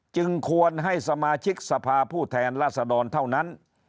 จึงควรให้สมาชิกสภาผู้แทนราษดรเท่านั้น